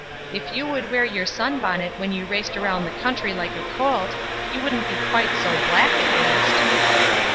If you would wear your sunbonnet when you raced around the country like a colt, you wouldn't be quite so black, at least.'